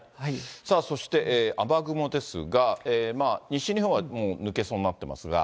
そして、雨雲ですが、西日本はもう抜けそうになってますが。